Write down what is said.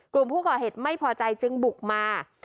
กลุ่มผู้ก่อเหตุไม่พอใจจึงบุกมา